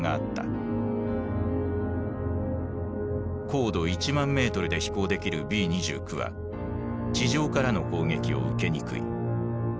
高度１万メートルで飛行できるＢー２９は地上からの攻撃を受けにくい。